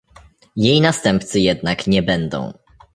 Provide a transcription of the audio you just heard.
Jej następcy jednak nie będą